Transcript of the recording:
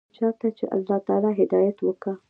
چا ته چې الله تعالى هدايت وکا.